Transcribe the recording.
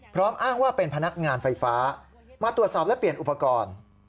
อ้างว่าเป็นพนักงานไฟฟ้ามาตรวจสอบและเปลี่ยนอุปกรณ์